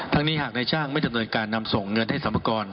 นี้หากนายช่างไม่ดำเนินการนำส่งเงินให้สรรพากร